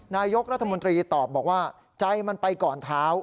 นายกรัฐมนตรีตอบบอกว่าใจมันไปก่อนเท้า